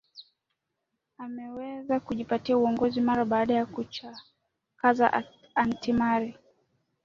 ameweza kujipatia uongozi mara baada ya kumchakaza antimari